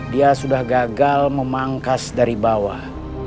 dia sudah gagal memangkas dari bawah